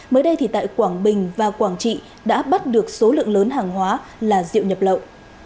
mới đây thì tại quảng bình và quảng trị đã bắt được số lượng lớn hàng hóa là rượu nhập lậu